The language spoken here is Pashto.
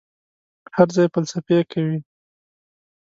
هر ځای فلسفې کوي.